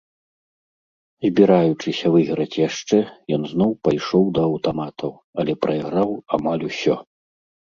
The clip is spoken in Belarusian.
Збіраючыся выйграць яшчэ, ён зноў пайшоў да аўтаматаў, але прайграў амаль усё.